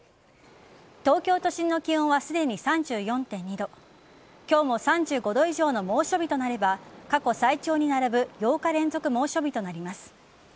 東京都心の気温はすでに３４．２度今日も３５度以上の猛暑日となれば過去最長に並ぶ８日連続猛暑日となります。